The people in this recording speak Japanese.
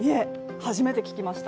初めて聞きました。